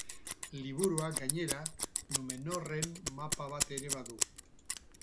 Liburuak, gainera, Numenorren mapa bat ere badu.